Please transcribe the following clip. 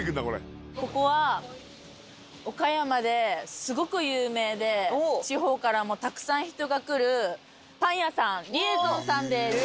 ここは岡山ですごく有名で、地方からもたくさん人が来る、パン屋さん、リエゾンさんです。